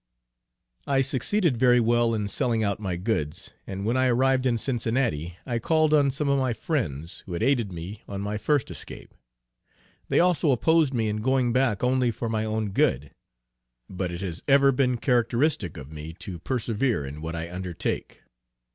_ I succeeded very well in selling out my goods, and when I arrived in Cincinnati, I called on some of my friends who had aided me on my first escape. They also opposed me in going back only for my own good. But it has ever been characteristic of me to persevere in what I undertake.